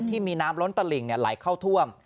ที่มีน้ำล้นตลิ่งไหลเข้าท่วม